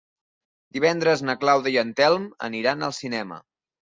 Divendres na Clàudia i en Telm aniran al cinema.